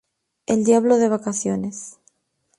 El diablo de vacaciones